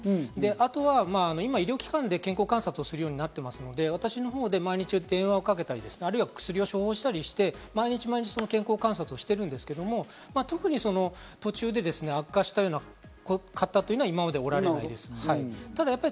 あとは医療機関で今、健康観察をするようになっているので、私のほうで毎日電話をかけたり、薬を処方したりして毎日毎日、健康観察をしているんですけど、特に途中で悪化したような方というのは今までおられないです。